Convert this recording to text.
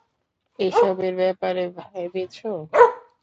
এসবের ব্যাপারে ভেবেছ?